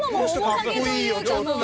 かっこいいよちょっと。